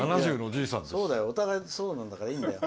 お互い、そうなんだからいいんだよ。